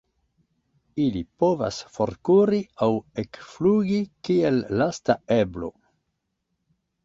Ili povas forkuri aŭ ekflugi kiel lasta eblo.